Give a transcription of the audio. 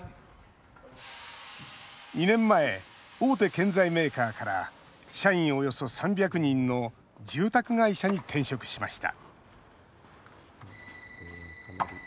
２年前、大手建材メーカーから社員およそ３００人の住宅会社に転職しました。